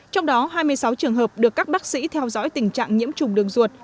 trong đó hai mươi sáu trường hợp được các bác sĩ theo dõi tình trạng nhiễm trùng đường ruột